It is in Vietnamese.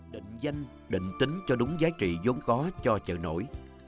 định danh định tính cho đúng giá trị vốn có cho chợ nổi